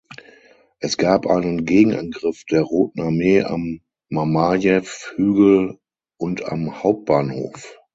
Es gab einen Gegenangriff der Roten Armee am Mamajew-Hügel und am Hauptbahnhof.